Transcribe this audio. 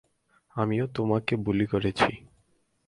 আমিও তোমাকে বুলি করেছি।